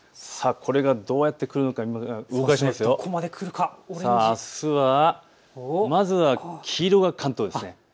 これがどうやって来るのか見るとあすはまずは黄色が関東です。